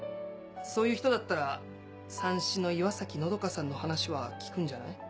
そういう人だったらさんしの岩崎和佳さんの話は聞くんじゃない？